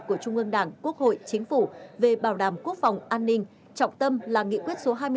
của trung ương đảng quốc hội chính phủ về bảo đảm quốc phòng an ninh trọng tâm là nghị quyết số hai mươi bốn của bộ chính trị